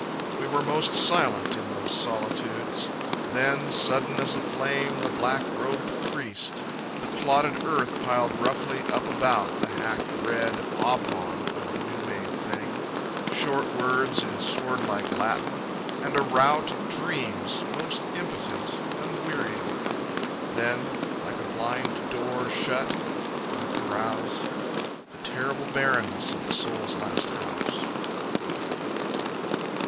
We were most silent in those solitudes Then, sudden as a flame, the black robed priest, The clotted earth piled roughly up about The hacked red oblong of the new made thing, Short words in swordlike Latin and a rout Of dreams most impotent, unwearying. Then, like a blind door shut on a carouse, The terrible bareness of the soul's last house.